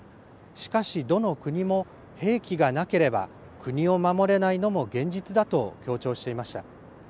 しかしどの国も兵器がなければ国を守れないのも現実だと強調していました。